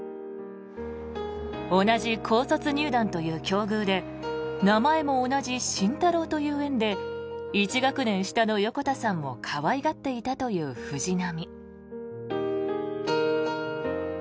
同じ高卒入団という境遇で名前も同じ「しんたろう」という縁で１学年下の横田さんを可愛がっていたという藤浪。